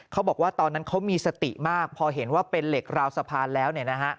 เขาบอกว่าตอนนั้นเขามีสติมากพอเห็นว่าเป็นเหล็กราวสะพานแล้ว